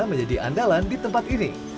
menjadi andalan di tempat ini